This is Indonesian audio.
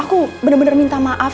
aku bener bener minta maaf